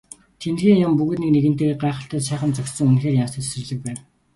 Тэндхийн юм бүгд нэг нэгэнтэйгээ гайхалтай сайхан зохицсон үнэхээр янзтай цэцэрлэг байв.